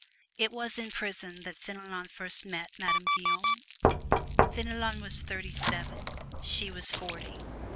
It was in prison that Fenelon first met Madame Guyon. Fenelon was thirty seven, she was forty.